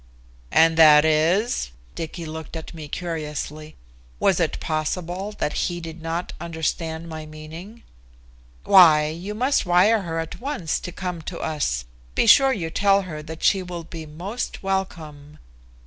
"And that is?" Dicky looked at me curiously. Was it possible that he did not understand my meaning? "Why, you must wire her at once to come to us. Be sure you tell her that she will be most welcome."